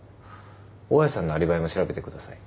大家さんのアリバイも調べてください。